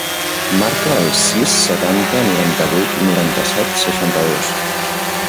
Marca el sis, setanta, noranta-vuit, noranta-set, seixanta-dos.